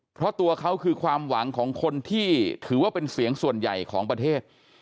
เพราะตัวเขาคือความหวังของคนที่ถือว่าเป็นเสียงส่วนใหญ่ของประเทศ